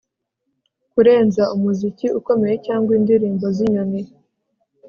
kurenza umuziki ukomeye cyangwa indirimbo zinyoni